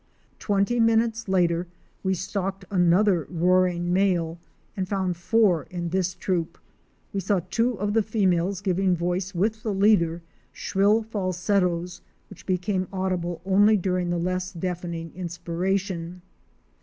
Twenty minutes later we stalked another roaring male, and found four in this troop. We saw two of the females giving voice with the leader, shrill falsettos which became audible only during the less deafening inspiration.